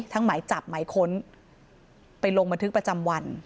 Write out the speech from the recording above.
หมายจับหมายค้นไปลงบันทึกประจำวัน